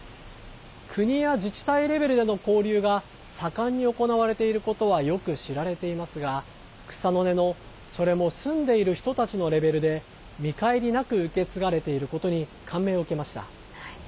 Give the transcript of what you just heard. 国や自治体レベルでの交流が盛んに行われていることはよく知られていますが草の根の、それも住んでいる人たちのレベルで見返りなく受け継がれていることに感銘を受けました。